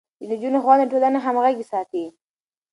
د نجونو ښوونه د ټولنې همغږي ساتي.